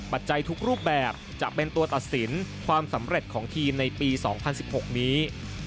จัยทุกรูปแบบจะเป็นตัวตัดสินความสำเร็จของทีมในปี๒๐๑๖นี้